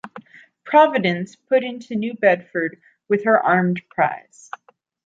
"Providence" put into New Bedford with her armed prize.